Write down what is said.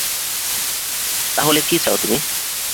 তাহলে কী চাও তুমি?